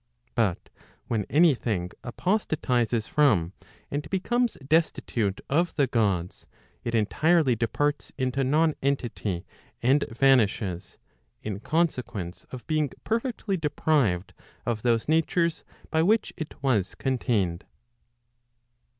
But when any thing apostatizes from, and becomes destitute of the Gods, it entirety departs into nonrentity and vanishes, in consequence of being perfectly deprived of those natures by which it was contained.